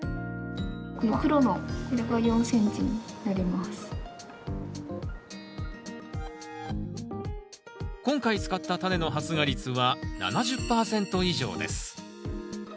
この黒の今回使ったタネの発芽率は７０％以上です。